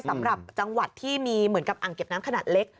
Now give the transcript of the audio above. สำหรับจังหวัดที่มีเหมือนกับอ่างเก็บน้ำขนาดเล็ก